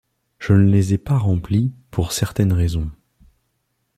Je ne les ai pas remplies pour certaines raisons.